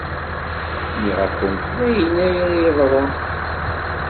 Nniɣ-akent d ayenni ara yeḍṛun.